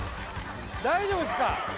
大丈夫ですか？